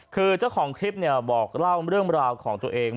คือเจ้าของคลิปเนี่ยบอกเล่าเรื่องราวของตัวเอง